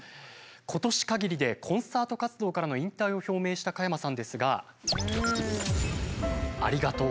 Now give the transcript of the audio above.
今年かぎりでコンサート活動からの引退を表明した加山さんですが「ありがとう」。